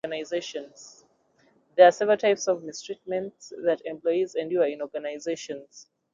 There are several types of mistreatment that employees endure in organizations.